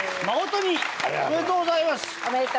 おめでとうございます。